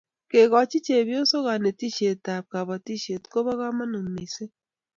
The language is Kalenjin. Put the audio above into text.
ke kachi chepyosok kanetishiet ab kabatishiet kobo kamagut mising